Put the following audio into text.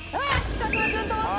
作間君止まった。